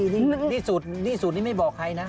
นี่สูตรนี้ไม่บอกใครนะ